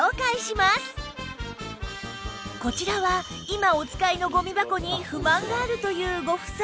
こちらは今お使いのゴミ箱に不満があるというご夫妻